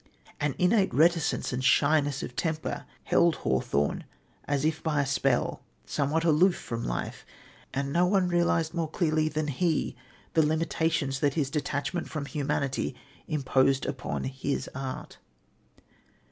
An innate reticence and shyness of temper held Hawthorne, as if by a spell, somewhat aloof from life, and no one realised more clearly than he the limitations that his detachment from humanity imposed upon his art.